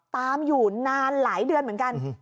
ตามอยู่นานหลายเดือนเหมือนกัน